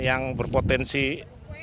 yang terjadi hujan bisa semakin cepat